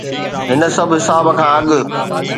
هن سڀ حساب کان اڳ نه.